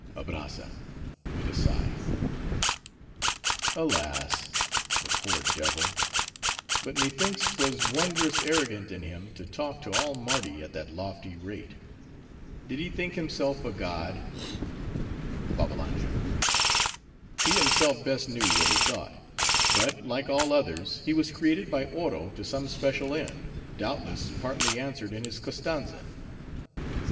ABRAZZA (with a sigh)—Alas, the poor devil! But methinks 'twas wondrous arrogant in him to talk to all Mardi at that lofty rate.—Did he think himself a god? BABBALANJA—He himself best knew what he thought; but, like all others, he was created by Oro to some special end; doubtless, partly answered in his Koztanza.